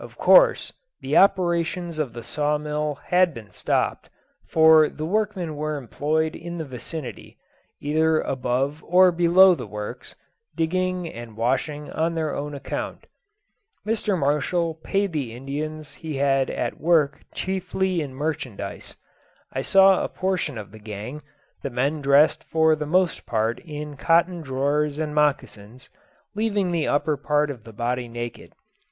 Of course the operations of the saw mill had been stopped, for the workmen were employed in the vicinity, either above or below the works, digging and washing on their own account. Mr. Marshall paid the Indians he had at work chiefly in merchandize. I saw a portion of the gang, the men dressed for the most part in cotton drawers and mocassins, leaving the upper part of the body naked.